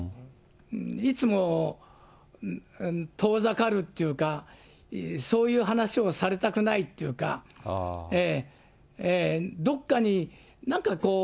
いつも遠ざかるっていうか、そういう話をされたくないっていうか、どっかになんかこう